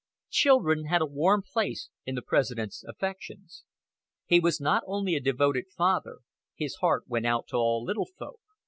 Children held a warm place in the President's affections. He was not only a devoted father; his heart went out to all little folk.